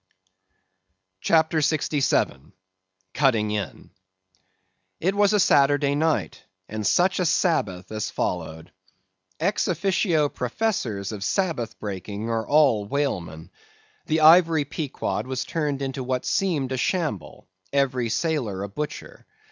CHAPTER 67. Cutting In. It was a Saturday night, and such a Sabbath as followed! Ex officio professors of Sabbath breaking are all whalemen. The ivory Pequod was turned into what seemed a shamble; every sailor a butcher.